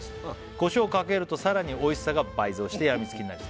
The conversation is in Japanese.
「コショウをかけるとさらにおいしさが倍増してやみつきになります」